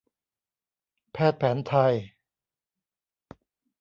แพทย์แผนไทย